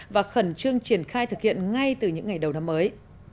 và khẩn trương triển khai thực hiện ngay từ những ngày đầu năm mới